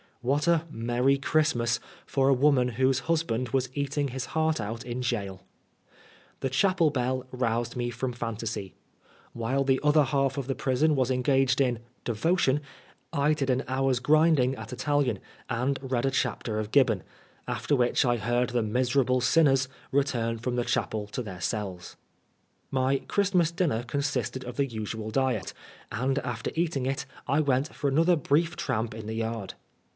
What a *' merry Christmas " for a woman whose husband was eating his heart out in gaol ! The chapel bell roused me from phantasy. While the other half of the prison was engaged in " devotion," I did an hour's grinding at Italian, and read a chapter of Qibbon ; after which I heard the '' miserable sinners " return from the chapel to their cells. My Christmas dinner consisted of the usual diet, and after eating it I went for another brief tramp in the yard.